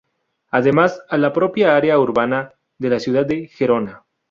Además de a la propia área urbana de la ciudad de Gerona.